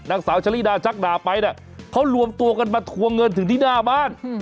นางสาวชะลิดาชักดาไปเนี่ยเขารวมตัวกันมาทวงเงินถึงที่หน้าบ้าน